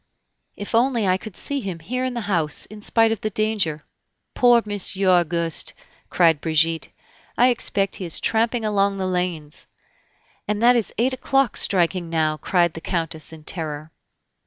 "If only I could see him here in the house, in spite of the danger." "Poor Monsieur Auguste!" cried Brigitte; "I expect he is tramping along the lanes!" "And that is eight o'clock striking now!" cried the Countess in terror.